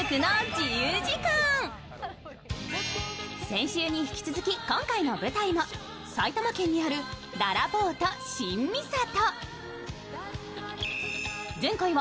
先週に引き続き今回の舞台も埼玉県にあるららぽーと新三郷。